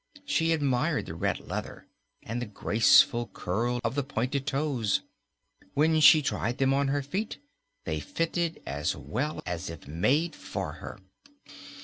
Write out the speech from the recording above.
She admired the red leather and the graceful curl of the pointed toes. When she tried them on her feet, they fitted as well as if made for her.